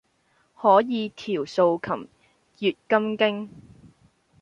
可以調素琴，閱金經